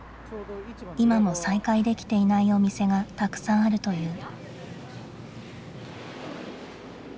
今も再開できていないお店がたくさんあるという。